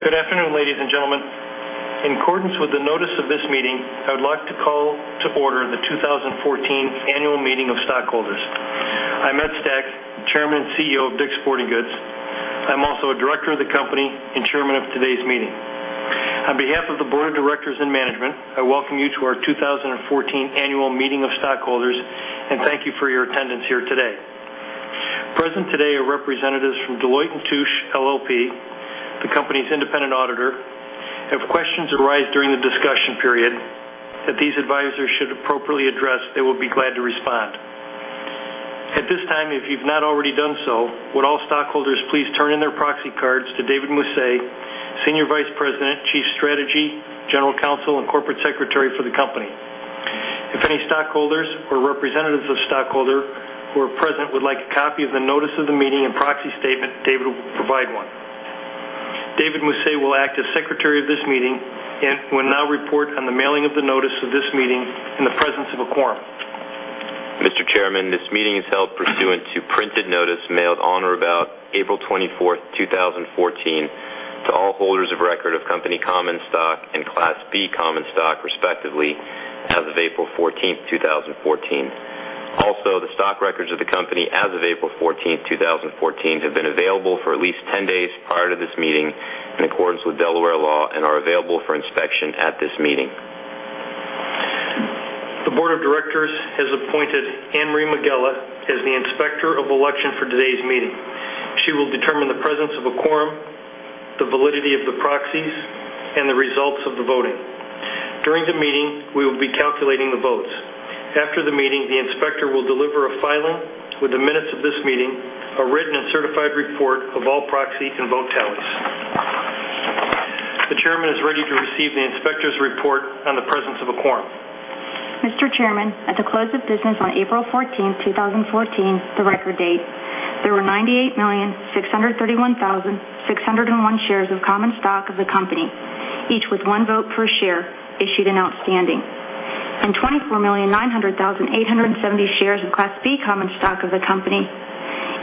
Good afternoon, ladies and gentlemen. In accordance with the notice of this meeting, I would like to call to order the 2014 Annual Meeting of Stockholders. I'm Ed Stack, Chairman and CEO of DICK'S Sporting Goods. I'm also a Director of the company and Chairman of today's meeting. On behalf of the Board of Directors and management, I welcome you to our 2014 Annual Meeting of Stockholders, and thank you for your attendance here today. Present today are representatives from Deloitte & Touche LLP, the company's independent auditor. If questions arise during the discussion period that these advisors should appropriately address, they will be glad to respond. At this time, if you've not already done so, would all stockholders please turn in their proxy cards to David Mossé, Senior Vice President, Chief Strategy, General Counsel, and Corporate Secretary for the company. If any stockholders or representatives of stockholder who are present would like a copy of the notice of the meeting and proxy statement, David will provide one. David Mossé will act as Secretary of this meeting and will now report on the mailing of the notice of this meeting in the presence of a quorum. Mr. Chairman, this meeting is held pursuant to printed notice mailed on or about April 24th, 2014, to all holders of record of company common stock and Class B common stock, respectively, as of April 14th, 2014. Also, the stock records of the company as of April 14th, 2014, have been available for at least 10 days prior to this meeting in accordance with Delaware law and are available for inspection at this meeting. The Board of Directors has appointed Anne Marie Miglietta as the Inspector of Election for today's meeting. She will determine the presence of a quorum, the validity of the proxies, and the results of the voting. During the meeting, we will be calculating the votes. After the meeting, the Inspector will deliver a filing with the minutes of this meeting, a written and certified report of all proxy and vote tallies. The Chairman is ready to receive the Inspector's report on the presence of a quorum. Mr. Chairman, at the close of business on April 14th, 2014, the record date, there were 98,631,601 shares of common stock of the company, each with one vote per share issued and outstanding, and 24,900,870 shares of Class B common stock of the company,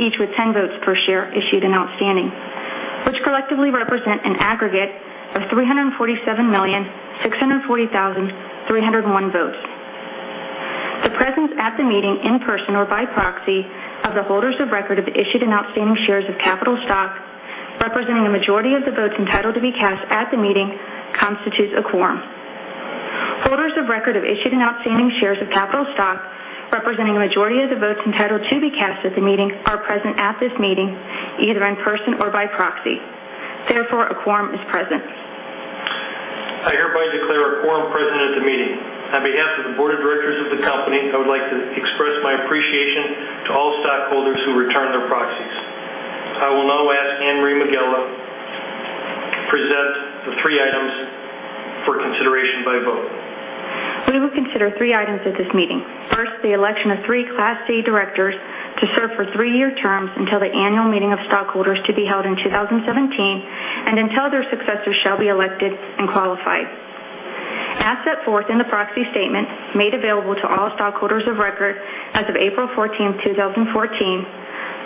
each with 10 votes per share issued and outstanding, which collectively represent an aggregate of 347,640,301 votes. The presence at the meeting in person or by proxy of the holders of record of issued and outstanding shares of capital stock, representing the majority of the votes entitled to be cast at the meeting, constitutes a quorum. Holders of record of issued and outstanding shares of capital stock representing the majority of the votes entitled to be cast at the meeting are present at this meeting, either in person or by proxy. Therefore, a quorum is present. I hereby declare a quorum present at the meeting. On behalf of the board of directors of the company, I would like to express my appreciation to all stockholders who returned their proxies. I will now ask Anne Marie Miglietta to present the three items for consideration by vote. We will consider three items at this meeting. First, the election of three Class C directors to serve for three-year terms until the annual meeting of stockholders to be held in 2017 and until their successors shall be elected and qualified. As set forth in the proxy statement made available to all stockholders of record as of April 14th, 2014,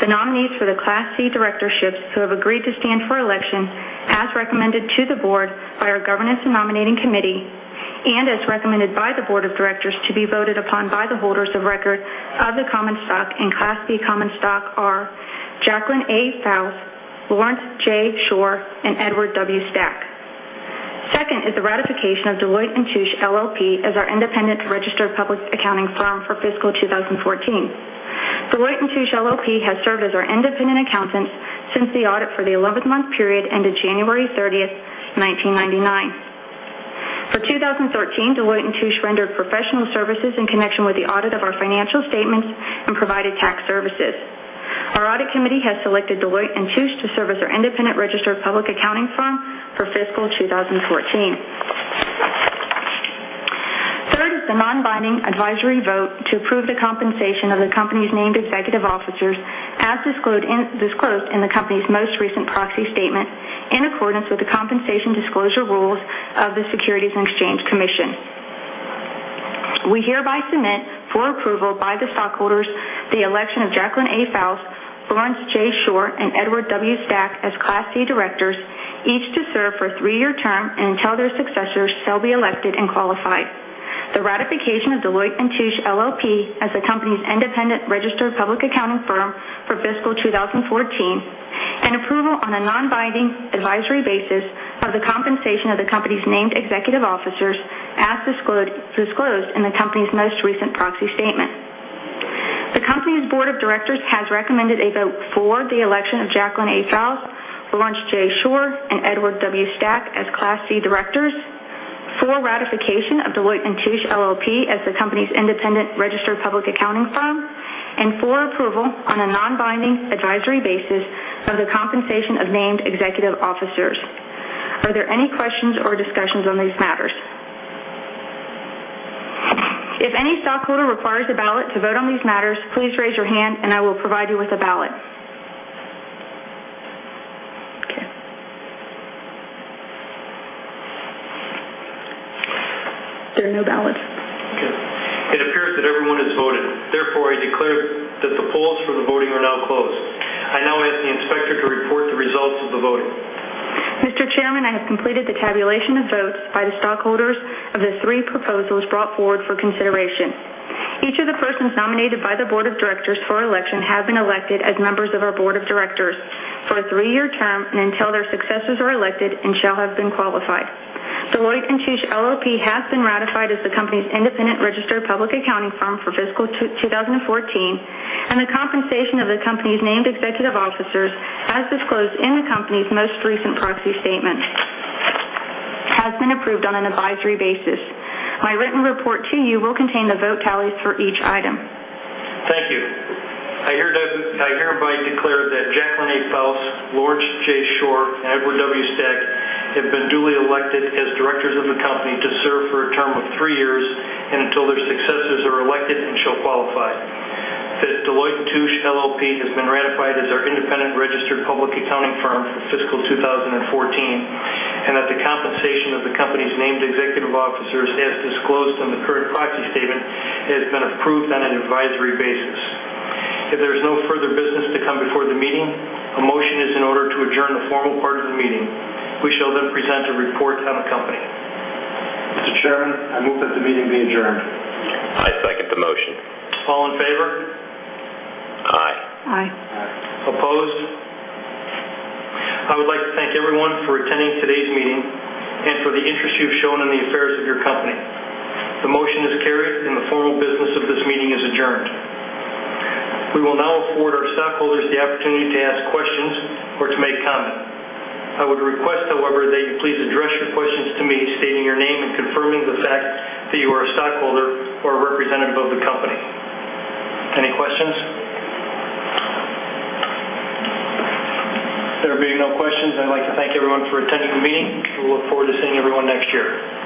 the nominees for the Class C directorships who have agreed to stand for election as recommended to the board by our governance and nominating committee and as recommended by the board of directors to be voted upon by the holders of record of the common stock and Class C common stock are Jacqueline A. Fouse, Laurence J. Schorr, and Edward W. Stack. Second is the ratification of Deloitte & Touche LLP as our independent registered public accounting firm for fiscal 2014. Deloitte & Touche LLP has served as our independent accountant since the audit for the 11th-month period ended January 30th, 1999. For 2013, Deloitte & Touche rendered professional services in connection with the audit of our financial statements and provided tax services. Our audit committee has selected Deloitte & Touche to serve as our independent registered public accounting firm for fiscal 2014. Third is the non-binding advisory vote to approve the compensation of the company's named executive officers as disclosed in the company's most recent proxy statement in accordance with the compensation disclosure rules of the Securities and Exchange Commission. We hereby submit for approval by the stockholders the election of Jacqueline A. Fouse, Laurence J. Schorr, and Edward W. Stack as Class C directors, each to serve for a three-year term and until their successors shall be elected and qualified. The ratification of Deloitte & Touche LLP as the company's independent registered public accounting firm for fiscal 2014, and approval on a non-binding advisory basis of the compensation of the company's named executive officers as disclosed in the company's most recent proxy statement. The company's board of directors has recommended a vote for the election of Jacqualyn A. Fouse, Lawrence J. Schorr, and Edward W. Stack as Class C directors, for ratification of Deloitte & Touche LLP as the company's independent registered public accounting firm, and for approval on a non-binding advisory basis of the compensation of named executive officers. Are there any questions or discussions on these matters? If any stockholder requires a ballot to vote on these matters, please raise your hand and I will provide you with a ballot. Okay. There are no ballots. Okay. It appears that everyone has voted. Therefore, I declare that the polls for the voting are now closed. I now ask the inspector to report the results of the voting. Mr. Chairman, I have completed the tabulation of votes by the stockholders of the three proposals brought forward for consideration. Each of the persons nominated by the board of directors for election have been elected as members of our board of directors for a three-year term, and until their successors are elected and shall have been qualified. Deloitte & Touche LLP has been ratified as the company's independent registered public accounting firm for fiscal 2014, and the compensation of the company's named executive officers, as disclosed in the company's most recent proxy statement, has been approved on an advisory basis. My written report to you will contain the vote tallies for each item. Thank you. I hereby declare that Jacqualyn A. Fouse, Lawrence J. Schorr, and Edward W. Stack have been duly elected as directors of the company to serve for a term of three years, and until their successors are elected and shall qualify. That Deloitte & Touche LLP has been ratified as our independent registered public accounting firm for fiscal 2014, and that the compensation of the company's named executive officers, as disclosed on the current proxy statement, has been approved on an advisory basis. If there is no further business to come before the meeting, a motion is in order to adjourn the formal part of the meeting. We shall present the reports on the company. Mr. Chairman, I move that the meeting be adjourned. I second the motion. All in favor? Aye. Aye. Aye. Opposed? I would like to thank everyone for attending today's meeting and for the interest you've shown in the affairs of your company. The motion is carried, and the formal business of this meeting is adjourned. We will now afford our stockholders the opportunity to ask questions or to make comment. I would request, however, that you please address your questions to me, stating your name and confirming the fact that you are a stockholder or a representative of the company. Any questions? There being no questions, I'd like to thank everyone for attending the meeting. We look forward to seeing everyone next year.